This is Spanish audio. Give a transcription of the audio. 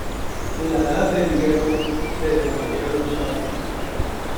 En la Edad del hierro, se desarrollaron los castros.